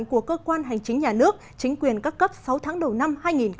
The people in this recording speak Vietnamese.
của cơ quan hành chính nhà nước chính quyền các cấp sáu tháng đầu năm hai nghìn hai mươi